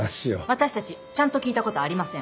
私たちちゃんと聞いた事ありません。